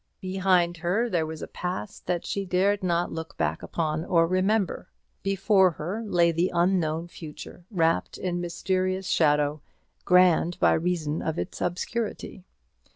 Behind her there was a past that she dared not look back upon or remember; before her lay the unknown future, wrapped in mysterious shadow, grand by reason of its obscurity.